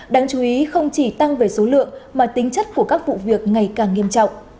đáng chú ý không chỉ tăng về số lượng mà tính chất của các vụ việc ngày càng nghiêm trọng